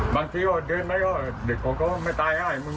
บางทีก็เดินไปก็เด็กผมก็ไม่ตายให้มึง